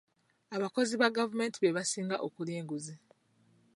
Abakozi ba gavumenti be basinga okulya enguzi .